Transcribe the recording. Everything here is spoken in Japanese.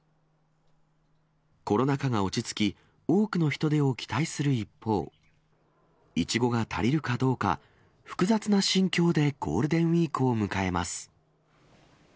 コロナ禍が落ち着き、多くの人出を期待する一方、イチゴが足りるかどうか、複雑な心境でゴールデンウィークを迎えます。